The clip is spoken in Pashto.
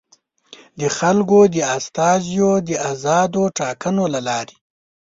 د خلکو د استازیو د ازادو ټاکنو له لارې.